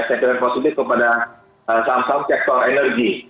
sentimen positif kepada saham saham sektor energi